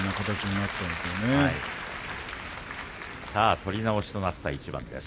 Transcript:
取り直しとなった一番です。